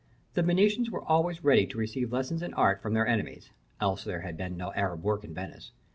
The Venetians were always ready to receive lessons in art from their enemies (else had there been no Arab work in Venice).